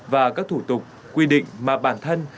và các thủ tục quy định mà bản thân